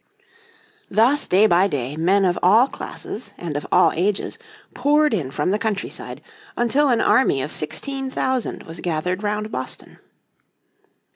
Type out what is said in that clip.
Thus day by day men of all classes, and of all ages, poured in from the countryside, until an army of sixteen thousand was gathered around Boston.